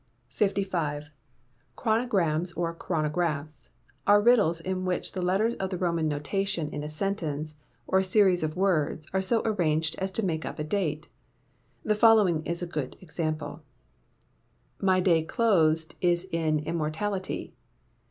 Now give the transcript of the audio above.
] 55. Chronograms or Chrono graphs are riddles in which the letters of the Roman notation in a sentence or series of words are so arranged as to make up a date. The following is a good example: My Day Closed Is In Immortality.